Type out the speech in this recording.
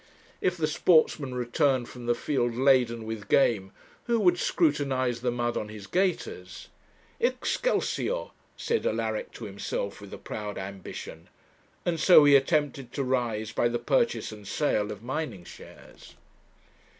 If the sportsman returned from the field laden with game, who would scrutinize the mud on his gaiters? 'Excelsior!' said Alaric to himself with a proud ambition; and so he attempted to rise by the purchase and sale of mining shares.